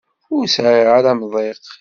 Ur sɛiɣ ara amḍiq.